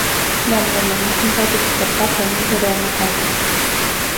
Neamul omenesc nu poate suporta prea multă realitate.